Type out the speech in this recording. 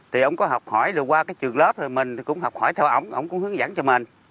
thì ông có học hỏi rồi qua cái trường lớp rồi mình thì cũng học hỏi theo ông ông cũng hướng dẫn cho mình